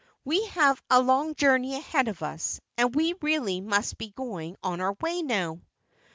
"We have a long journey ahead of us and we really must be going on our way now."